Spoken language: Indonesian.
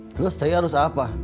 terus saya harus apa